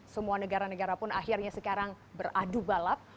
semua negara negara pun akhirnya sekarang beradu balap